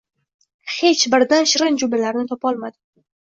Hech biridan shirin jumlalarni topolmadim